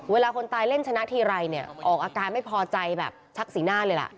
คนตายเล่นชนะทีไรเนี่ยออกอาการไม่พอใจแบบชักสีหน้าเลยล่ะ